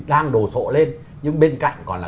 đang đồ sộ lên nhưng bên cạnh còn là